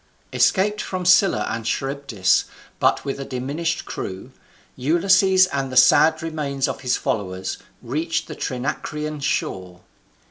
Escaped from Scylla and Charybdis, but with a diminished crew, Ulysses and the sad remains of his followers reached the Trinacrian shore.